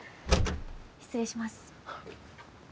失礼します。